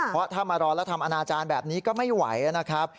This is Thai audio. เพราะถ้ามารอแล้วทำอนาจารย์แบบนี้ก็ไม่ไหวนะครับ